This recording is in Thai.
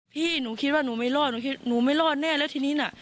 พี่หนูคิดว่าหนูไม่รอดหนูคิดหนูไม่รอดแน่แล้วทีนี้น่ะ